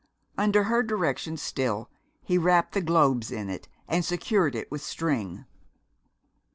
Under her direction still, he wrapped the globes in it and secured it with string.